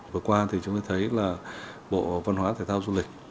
vừa qua thì chúng ta thấy là bộ văn hóa thể thao du lịch